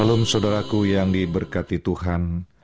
alum saudaraku yang diberkati tuhan